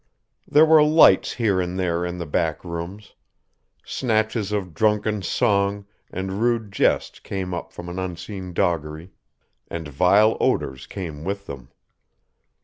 There were lights here and there in the back rooms. Snatches of drunken song and rude jest came up from an unseen doggery, and vile odors came with them.